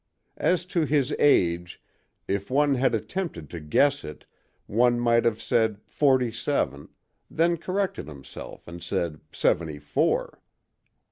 As to his age, if one had attempted to guess it, one might have said forty seven, then corrected himself and said seventy four.